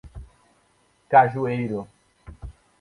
Cajueiro